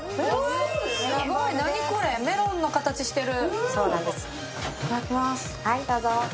何これ、メロンの形してる。